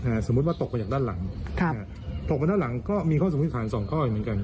สมมุติว่าตกมาจากด้านหลังครับตกไปด้านหลังก็มีข้อสันนิษฐานสองข้ออีกเหมือนกัน